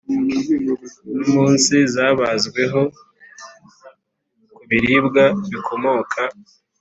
n umunsi zabazweho Ku biribwa bikomoka